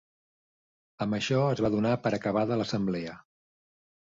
Amb això es va donar per acabada l'assemblea.